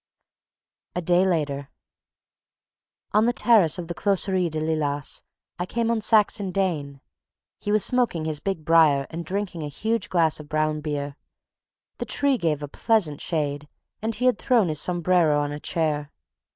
A day later. On the terrace of the Closerie de Lilas I came on Saxon Dane. He was smoking his big briar and drinking a huge glass of brown beer. The tree gave a pleasant shade, and he had thrown his sombrero on a chair.